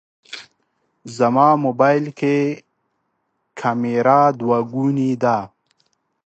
زما موبایل کې کمېره دوهګونې ده.